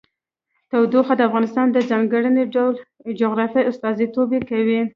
تودوخه د افغانستان د ځانګړي ډول جغرافیه استازیتوب کوي.